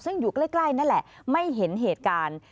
ซึ่งอยู่ใกล้นั่นแหละไม่เห็นเหตุการณ์